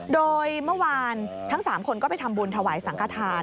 โดยเมื่อวานทั้ง๓คนก็ไปทำบุญถวายสังขทาน